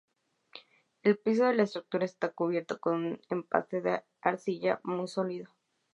El piso de la estructura está cubierto con un empaste de arcilla, muy sólido.